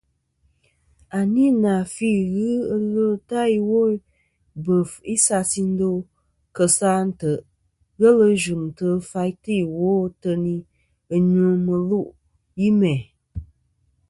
À nî nà fî ghɨ ɨlvɨ ta iwo i bef ɨ isas ì ndo kèsa a ntèʼ ghelɨ yvɨ̀ŋtɨ̀ ɨ faytɨ ìwo ateyn ɨ nyvɨ mɨlûʼ yi mæ̀.